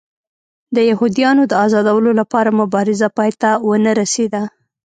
د یهودیانو د ازادولو لپاره مبارزه پای ته ونه رسېده.